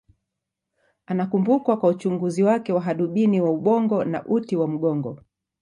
Anakumbukwa kwa uchunguzi wake wa hadubini wa ubongo na uti wa mgongo.